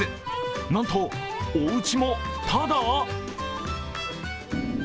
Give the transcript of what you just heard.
なんと、おうちもただ？